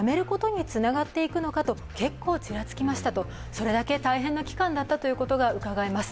それだけ大変な期間だったということがうかがえます。